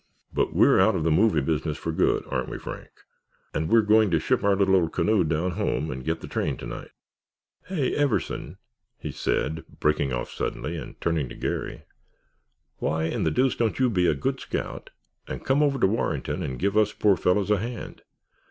But we're out of the movie business for good—aren't we, Frank? And we're going to ship our little old canoe down home and get the train tonight—— Hey, Everson," he said, breaking off suddenly and turning to Garry; "why in the deuce don't you be a good scout and come over to Warrentown and give us poor fellows a hand?